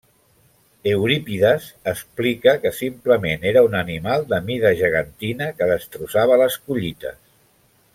Eurípides explica que, simplement, era un animal de mida gegantina que destrossava les collites.